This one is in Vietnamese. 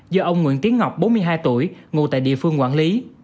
hai tuổi ngủ tại địa phương quản lý